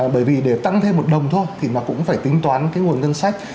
bởi vì để tăng thêm một đồng thôi thì nó cũng phải tính toán cái nguồn ngân sách